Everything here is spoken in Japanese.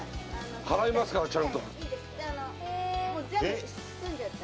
払いますからちゃんといいです